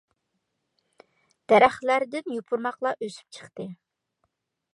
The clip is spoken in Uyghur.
دەرەخلەردىن يوپۇرماقلار ئۆسۈپ چىقتى.